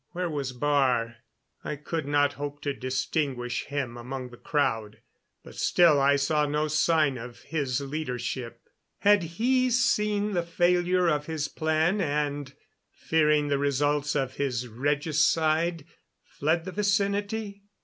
Where was Baar? I could not hope to distinguish him among the crowd, but still I saw no sign of his leadership. Had he seen the failure of his plan and, fearing the results of his regicide, fled the vicinity?